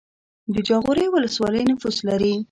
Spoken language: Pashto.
د جاغوری ولسوالۍ نفوس لري